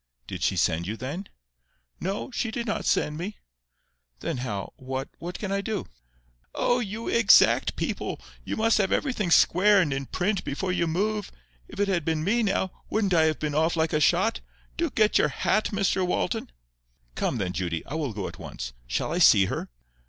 "Did she send you, then?" "No. She did not send me." "Then how—what—what can I do!" "Oh, you exact people! You must have everything square and in print before you move. If it had been me now, wouldn't I have been off like a shot! Do get your hat, Mr Walton." "Come, then, Judy. I will go at once.—Shall I see her?"